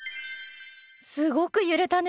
すごく揺れたね。